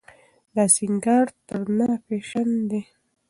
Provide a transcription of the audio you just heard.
دا سينګار تر ننه فېشن دی.